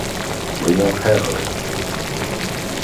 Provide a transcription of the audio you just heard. William Henry